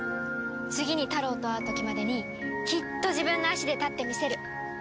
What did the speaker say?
次にタロウと会う時までにきっと自分の足で立ってみせる。